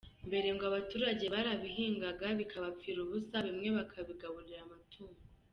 Mbere ngo abaturage barabihingaga bikabapfira ubusa bimwe bakabigaburira amatungo.